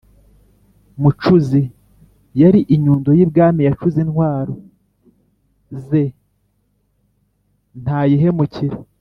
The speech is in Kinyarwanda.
mucuzi: yari inyundo y’ibwami yacuze intwaro ze ntayihemukira